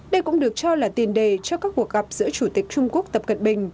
đây cũng được cho là tiền đề cho các cuộc gặp giữa chủ tịch trung quốc tập cận bình